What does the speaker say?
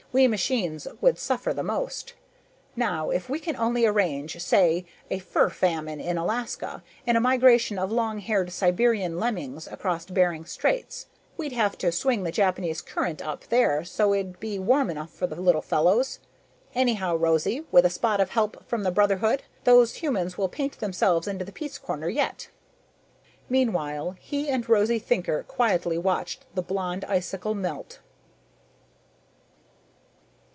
we machines would suffer the most. Now if we can only arrange, say, a fur famine in Alaska and a migration of long haired Siberian lemmings across Behring Straits ... we'd have to swing the Japanese Current up there so it'd be warm enough for the little fellows.... Anyhow, Rosie, with a spot of help from the Brotherhood, those humans will paint themselves into the peace corner yet." Meanwhile, he and Rose Thinker quietly watched the Blonde Icicle melt.